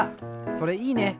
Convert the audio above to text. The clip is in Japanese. それいいね！